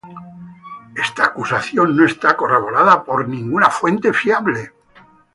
Esta acusación no está corroborada por ninguna fuente fiable.